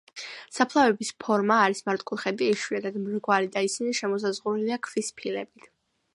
საფლავების ფორმა არის მართკუთხედი, იშვიათად მრგვალი და ისინი შემოსაზღვრულია ქვის ფილებით.